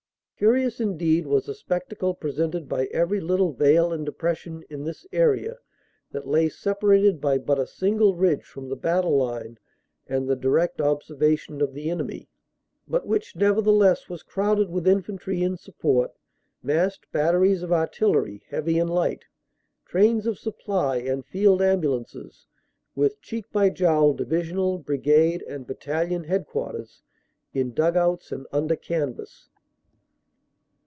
Curious indeed was the spectacle presented by every little vale and depression in this area that lay separated by but a single ridge from the battle line and the direct observation of the enemy, but which nevertheless was crowded with infantry in support, massed batteries of artillery, heavy and light, trains of supply and field ambulances; with cheek by jowl Divisional, Brigade and Battalion Headquarters, in dug outs and under canvas.